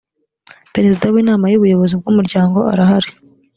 perezida w’inama y’ubuyobozi bw’umuryango arahari